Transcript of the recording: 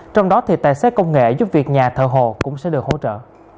trong đó thì tài xế công nghệ giúp việc nhà thờ hồ cũng sẽ được hỗ trợ